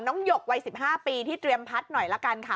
น้องหล่ะ๑๕๐ปีที่เตรียมพัดหน่อยละกันค่ะ